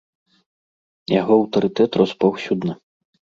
Яго аўтарытэт рос паўсюдна.